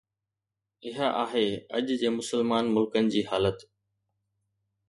اها آهي اڄ جي مسلمان ملڪن جي حالت.